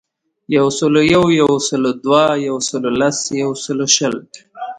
یوسلویو, یوسلودوه, یوسلولس, یوسلوشل